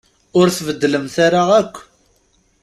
Ur tbeddlemt ara akk.